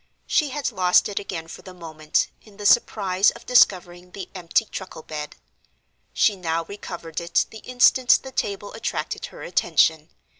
She had lost it again for the moment, in the surprise of discovering the empty truckle bed. She now recovered it the instant the table attracted her attention.